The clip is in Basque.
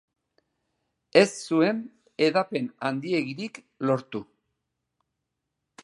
Ez zuen hedapen handiegirik lortu.